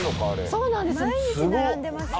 そうなんです。